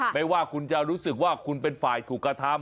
ไม่ว่าคุณจะรู้สึกว่าคุณเป็นฝ่ายถูกกระทำ